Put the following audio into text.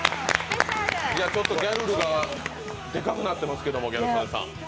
ギャルルがでかくなってますけど、ギャル曽根さん。